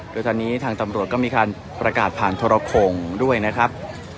โดยตอนนี้ทางตำรวจก็มีการประกาศผ่านโทรโครงด้วยนะครับ